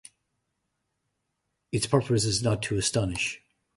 Its purpose is not to astonish.